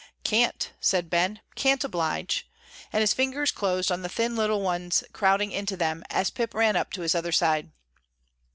"Can't," said Ben, "can't oblige," and his fingers closed on the thin little ones crowding into them, as Pip ran up to his other side.